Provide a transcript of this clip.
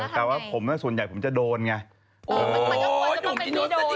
แต่ว่าผมส่วนใหญ่ผมจะโดนไง